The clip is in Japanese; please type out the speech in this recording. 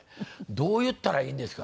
「どう言ったらいいんですか？」